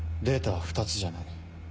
データは２つじゃない。